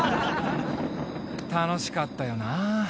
楽しかったよな。